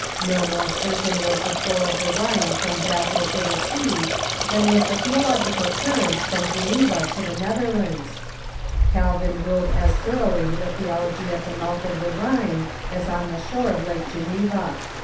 No more certain was the flow of the Rhine from Basel to the sea than was the theological current from Geneva to the Neth ARMINIUS AND THE SYXOD OF DORT 319 erlands. Calvin ruled as tlioron2;hly the theology at the mouth of tlie Rhine as on the shore of Lake Geneva.